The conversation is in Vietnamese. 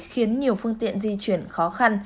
khiến nhiều phương tiện di chuyển khó khăn